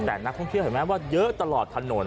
แต่นักท่องเที่ยวเห็นไหมว่าเยอะตลอดถนน